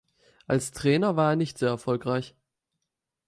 Als Trainer war er nicht sehr erfolgreich.